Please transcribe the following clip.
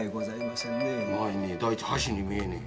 第一箸に見えねえ。